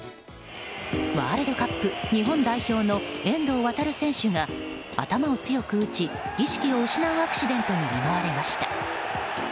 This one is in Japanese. ワールドカップ日本代表の遠藤航選手が頭を強く打ち意識を失うアクシデントに見舞われました。